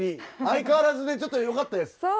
相変わらずでちょっとよかったです。